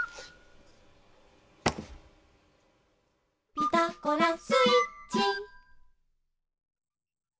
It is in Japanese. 「ピタゴラスイッチ」